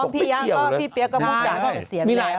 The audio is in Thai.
พี่เปี๊ยะก็บอกจ๋าก็เลยเสียบี๊ยะ